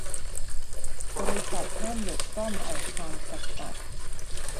บริษัท แน่นดุจป้อมแอนด์ซันส์ จำกัด